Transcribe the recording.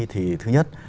thì thứ nhất